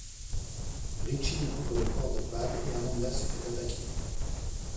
Richie découvre le corps de Wade et Amanda se fait attaquer.